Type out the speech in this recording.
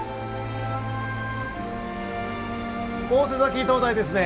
大瀬埼灯台ですね。